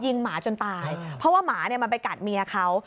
หมาจนตายเพราะว่าหมาเนี่ยมันไปกัดเมียเขา